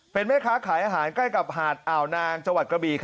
เป็นแม่ค้าขายอาหารใกล้กับหาดอ่าวนางจังหวัดกระบี